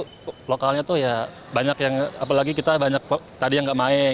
kalau lokalnya tuh ya banyak yang apalagi kita banyak tadi yang nggak main